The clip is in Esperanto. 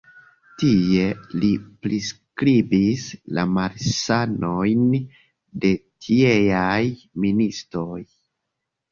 Tie li priskribis la malsanojn de tieaj ministoj.